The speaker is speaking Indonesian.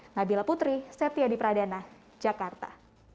nabila putri setia di pradana jakarta